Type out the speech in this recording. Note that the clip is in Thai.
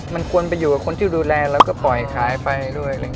มันควรไปอยู่กับคนที่ดูแลแล้วก็ปล่อยขายไปด้วย